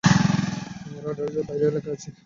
আমরা রাডারের বাইরের এলাকায় আছি।